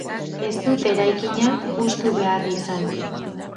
Ez dute eraikina hustu behar izan.